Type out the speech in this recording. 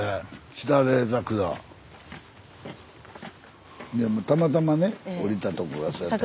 スタジオたまたまね降りたとこがそやった。